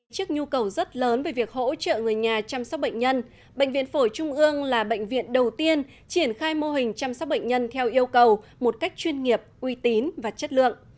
trước nhu cầu rất lớn về việc hỗ trợ người nhà chăm sóc bệnh nhân bệnh viện phổi trung ương là bệnh viện đầu tiên triển khai mô hình chăm sóc bệnh nhân theo yêu cầu một cách chuyên nghiệp uy tín và chất lượng